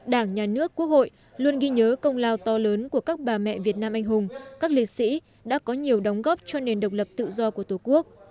đảng nhà nước quốc hội luôn ghi nhớ công lao to lớn của các bà mẹ việt nam anh hùng các liệt sĩ đã có nhiều đóng góp cho nền độc lập tự do của tổ quốc